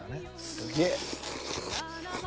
すげえ。